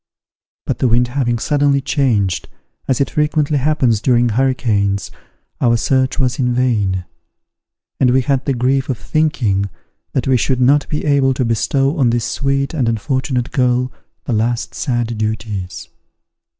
But the wind having suddenly changed, as it frequently happens during hurricanes, our search was in vain; and we had the grief of thinking that we should not be able to bestow on this sweet and unfortunate girl the last sad duties.